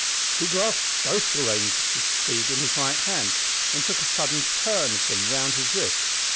He grasped both the reins of his steed in his right hand, and took a sudden turn of them round his wrist.